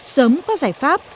sớm có giải pháp